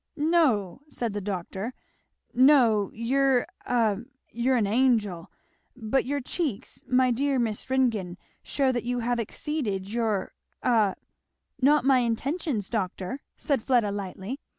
"No," said the doctor, "no, you're a you're an angel! but your cheeks, my dear Miss Ringgan, shew that you have exceeded your a " "Not my intentions, doctor," said Fleda lightly.